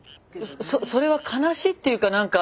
それは悲しいっていうか何か。